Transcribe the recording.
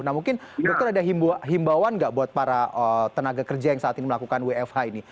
nah mungkin dokter ada himbauan nggak buat para tenaga kerja yang saat ini melakukan wfh ini